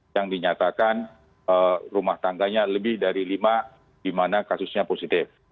yang dinyatakan rumah tangganya lebih dari lima di mana kasusnya positif